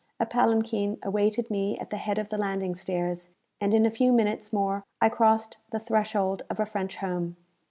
A palanquin awaited me at the head of the landing stairs, and in a few minutes more I crossed the threshold of a French home.